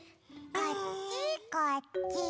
こっちこっち。